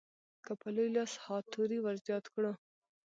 که په لوی لاس ها توری ورزیات کړو.